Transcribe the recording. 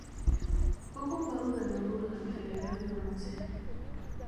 Fue ocupado de nuevo durante la Edad de Bronce.